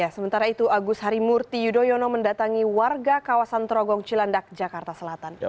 sementara itu agus harimurti yudhoyono mendatangi warga kawasan trogong cilandak jakarta selatan